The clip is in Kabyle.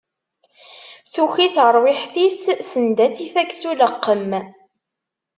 Tuki terwiḥt-is send ad tt-ifak s uleqqem.